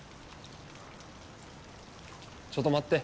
ちょっと待って。